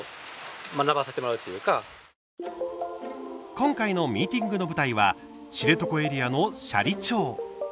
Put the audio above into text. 今回のミーティングの舞台は知床エリアの斜里町。